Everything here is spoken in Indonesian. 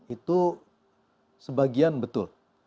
itu sebagian betul